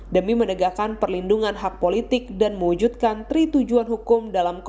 demi mendegarkan kepentingan pemilihan umum